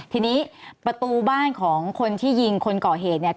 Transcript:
ทีนี้ประตูบ้านของคนที่ยิงคนก่อเหตุเนี่ย